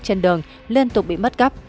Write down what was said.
trên đường liên tục bị mất cắp